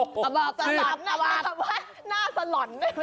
โอ้โหน่าสะหร่อน